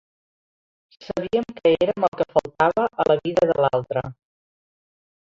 Sabíem que érem el que faltava a la vida de l'altre.